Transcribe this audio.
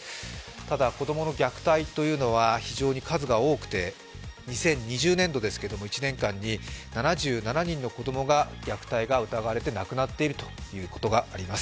ただ、子供の虐待というのは非常に数が多くて２０２０年度１年間に７７人の子供が虐待が疑われて亡くなっているということがあります。